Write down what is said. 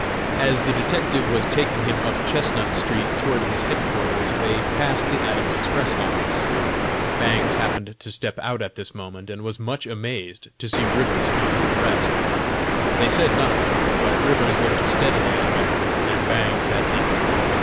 As the detective was taking him up Chestnut street toward his headquarters, they passed the Adams Express Office. Bangs happened to step out at this moment, and was much amazed to see Rivers under arrest. They said nothing, but Rivers looked steadily at Bangs, and Bangs at him.